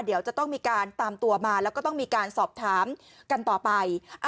เดี๋ยวจะต้องมีการตามตัวมาแล้วก็ต้องมีการสอบถามกันต่อไป